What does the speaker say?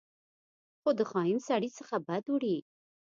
خو د خاین سړي څخه بد وړي.